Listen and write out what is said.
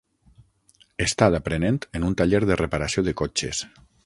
Està d'aprenent en un taller de reparació de cotxes.